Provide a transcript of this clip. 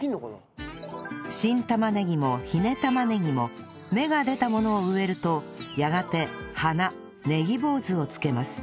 新玉ねぎもひね玉ねぎも芽が出たものを植えるとやがて花ねぎぼうずを付けます